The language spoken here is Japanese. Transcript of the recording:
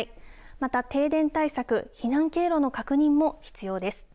また停電対策、避難経路の確認も必要です。